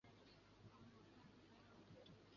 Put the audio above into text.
西萨克梅多克。